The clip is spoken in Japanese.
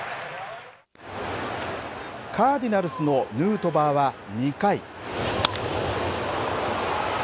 カーディナルスのヌートバーは２回。